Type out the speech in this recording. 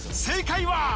正解は。